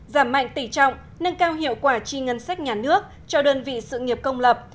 giảm mạnh tỉ trọng nâng cao hiệu quả chi ngân sách nhà nước cho đơn vị sự nghiệp công lập